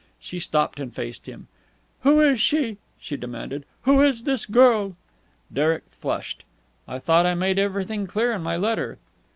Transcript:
She stopped and faced him. "Who is she?" she demanded. "Who is this girl?" Derek flushed. "I thought I made everything clear in my letter."